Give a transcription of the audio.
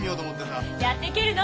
やってけるの？